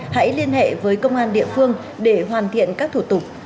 hãy liên hệ với công an địa phương để hoàn thiện các thủ tục